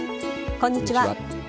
こんにちは。